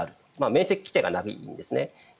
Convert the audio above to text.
免責規定がないんですね。